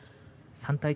３対１。